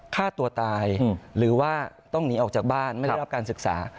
ฆ่าตัวตายหรือว่าต้องหนีออกจากบ้านไม่ได้รับการศึกษา